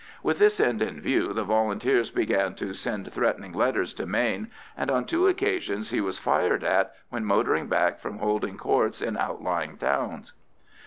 With this end in view, the Volunteers began to send threatening letters to Mayne, and on two occasions he was fired at when motoring back from holding Courts in outlying towns.